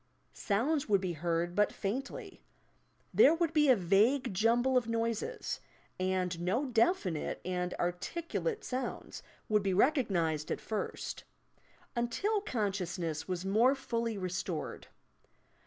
Sounds would be heard but faintly. There would be a vague jumble of noises, and no definite and articulate sounds would be recognized at first, — until consciousness was more fully reatored.